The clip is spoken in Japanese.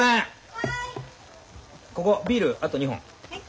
はい。